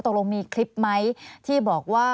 ตกลงมีคลิปไหมที่บอกว่า